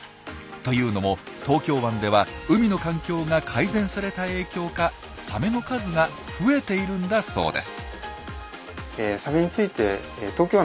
というのも東京湾では海の環境が改善された影響かサメの数が増えているんだそうです。